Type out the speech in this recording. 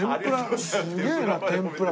すげえな天ぷら。